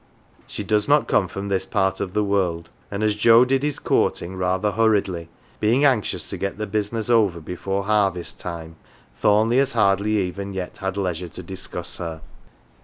She does not come from this part of the world, and as Joe did his courting rather hurriedly, being anxious to get the business over before harvest time, Thornleigh has hardly even yet had leisure to discuss her.